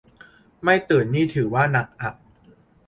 ไม่ตื่นนี่ถือว่าหนักอะ